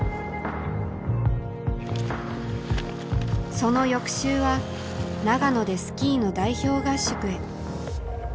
その翌週は長野でスキーの代表合宿へ。